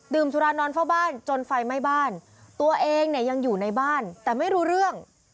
สุรานอนเฝ้าบ้านจนไฟไหม้บ้านตัวเองเนี่ยยังอยู่ในบ้านแต่ไม่รู้เรื่อง